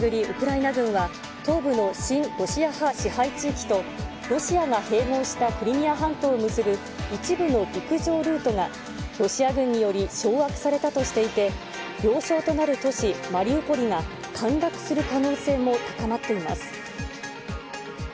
ウクライナ軍は、東部の親ロシア派支配地域と、ロシアが併合したクリミア半島を結ぶ一部の陸上ルートがロシア軍により掌握されたとしていて、要衝となる都市マリウポリが陥落する可能性も高まっています。